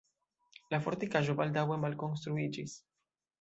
La fortikaĵo baldaŭe malkonstruiĝis.